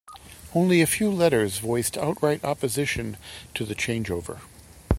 Only a few letters voiced outright opposition to the changeover.